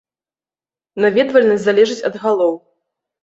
Наведвальнасць залежыць ад галоў.